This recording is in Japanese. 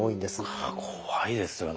はあ怖いですよね。